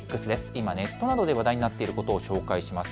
今ネットなどで話題になっていることを紹介します。